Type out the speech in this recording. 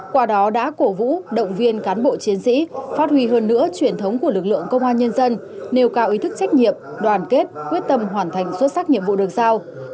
qua đó đã cổ vũ động viên cán bộ chiến sĩ phát huy hơn nữa truyền thống của lực lượng công an nhân dân nêu cao ý thức trách nhiệm đoàn kết quyết tâm hoàn thành xuất sắc nhiệm vụ được giao